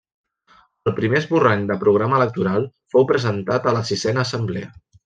El primer esborrany de programa electoral fou presentat a la sisena assemblea.